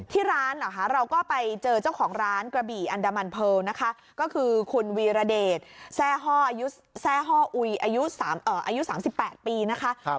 ที่ร้านเราก็ไปเจอเจ้าของร้านกระบี่อันดามันเพิร์ลนะคะก็คือคุณวีรเดชแทร่ห้ออายุ๓๘ปีนะคะ